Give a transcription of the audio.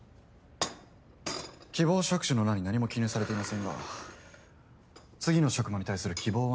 希望職種の欄に何も記入されていませんが次の職場に対する希望はないんですか？